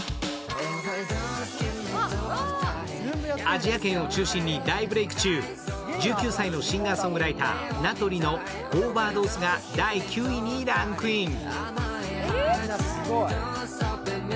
アジア圏を中心に大ブレーク中、１９歳のシンガーソングライーター、なとりの「Ｏｖｅｒｄｏｓｅ」が第９位にランクイン。